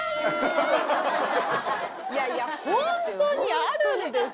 いやいや本当にあるんです！